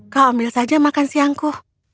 kau ambil saja makan siangku